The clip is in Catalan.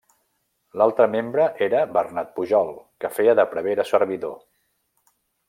L'altra membre era Bernat Pujol, que feia de prevere servidor.